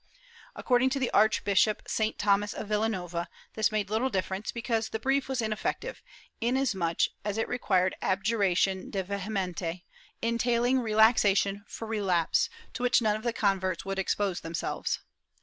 According to the Arch bishop St. Thomas of Vilanova, this made little difference, because the brief was ineffective, inasmuch as it required abjuration de vehementi, entailing relaxation for relapse, to which none of the converts would expose themselves.